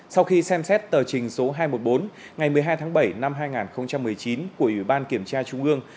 sau khi xem xét tờ trình số hai trăm một mươi bốn ngày một mươi hai tháng bảy năm hai nghìn một mươi chín của ủy ban kiểm tra trung ương